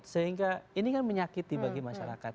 sehingga ini kan menyakiti bagi masyarakat